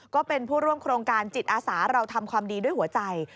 ก็เป็นผู้ร่วมโครงการจิตอาสาเราทำความดีด้วยหัวใจ